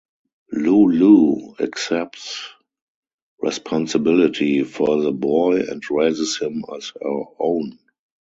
LouLou accepts responsibility for the boy and raises him as her own.